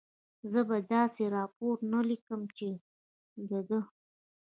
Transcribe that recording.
زه به داسې راپور و نه لیکم، چې د ده.